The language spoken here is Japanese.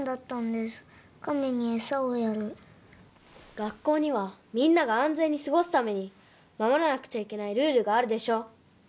学校にはみんなが安全にすごすためにまもらなくちゃいけないルールがあるでしょ。